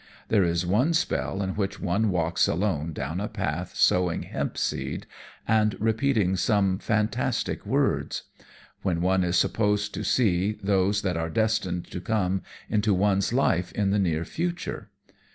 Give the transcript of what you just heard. There is one spell in which one walks alone down a path sowing hempseed, and repeating some fantastic words; when one is supposed to see those that are destined to come into one's life in the near future.